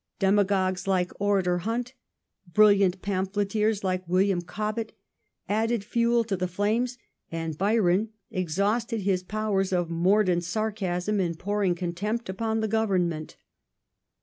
Demagogues like *' Orator " Hunt, brilliant pamphleteei s like William Cobbett added fuel to the flames, and Byron exhausted his powers of mordant sarcasm in pouring contempt upon the Government.